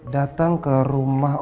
datang ke rumahnya